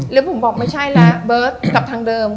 บุ๋มบอกไม่ใช่แล้วเบิร์ตกลับทางเดิม